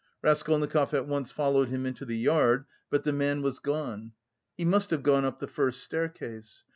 Raskolnikov at once followed him into the yard, but the man was gone. He must have gone up the first staircase.